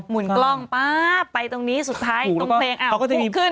หุ่นกล้องป๊าบไปตรงนี้สุดท้ายตรงเพลงอ้าวก็ถูกขึ้น